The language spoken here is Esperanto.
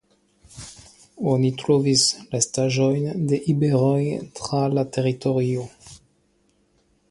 Oni trovis restaĵojn de iberoj tra la teritorio.